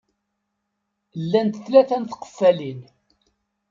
Llant tlata n tqeffalin.